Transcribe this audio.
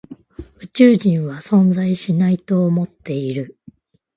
宇宙人は存在しないと思っている。